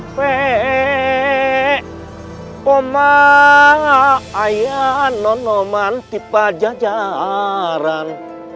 pemak ayah nama nama tipe jajaran